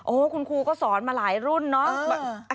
คุณครูก็สอนมาหลายรุ่นเนาะ